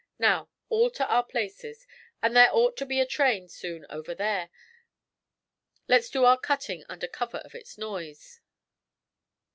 Now, all to our places; and there ought to be a train soon over there; let's do our cutting under cover of its noise.'